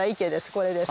これです。